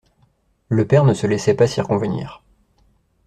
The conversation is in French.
Le père ne se laissait pas circonvenir.